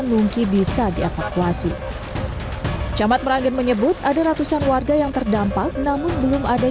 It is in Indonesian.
nungki bisa dievakuasi camat meranggen menyebut ada ratusan warga yang terdampak namun belum ada